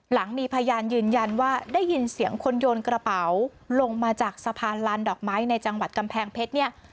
หลังมีพยานยืนยันว่าได้ยินเสียงคนโยนกระเป๋าลงมาจากสะพานลานดอกไม้ในจังหวัดกำแพงเพชรเนี่ย